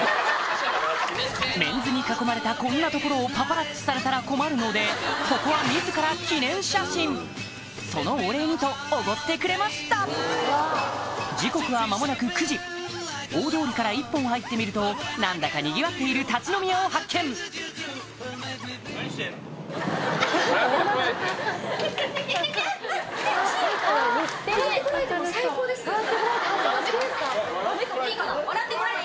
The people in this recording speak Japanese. メンズに囲まれたこんなところをパパラッチされたら困るのでここは自ら記念写真そのお礼にとおごってくれました時刻は間もなく９時大通りから１本入ってみると何だかにぎわっている立ち飲み屋を発見いいかな？